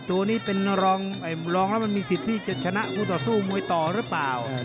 ต่างบอกว่า